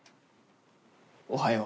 おはよう。